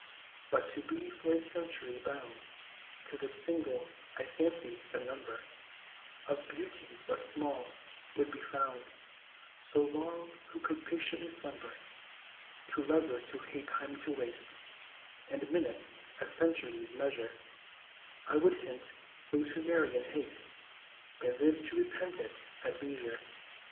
But to be for a century bound To live single, I fancy the number Of Beauties but small would be found So long who could patiently slumber. To lovers who hate time to waste, And minutes as centuries measure, I would hint, Those who marry in haste May live to repent it at leisure.